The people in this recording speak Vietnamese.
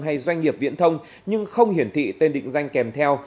hay doanh nghiệp viễn thông nhưng không hiển thị tên định danh kèm theo